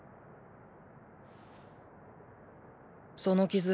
その傷